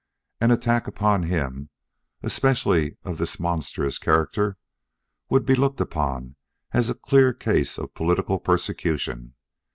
An attack upon him, especially of this monstrous character, would be looked upon as a clear case of political persecution.